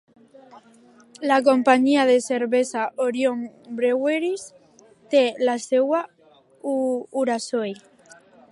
La companyia de cervesa Orion Breweries té la seu a Urasoe.